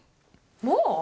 もう？